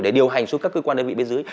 để điều hành xuống các cơ quan đơn vị bên dưới